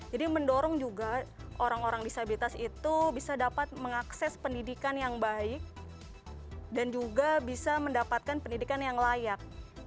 jadi mendorong juga orang orang disabilitas itu bisa dapat mengakses pendidikan yang baik dan juga bisa mendapatkan pendidikan yang layak